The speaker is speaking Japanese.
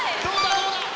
どうだ？